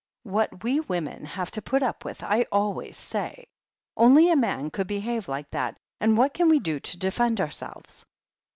"What we women have to put up with, I always say! Only a man could behave like that, and what can we do to defend ourselves